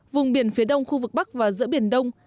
vùng biển phía đông khu vực bắc và giữa biển đông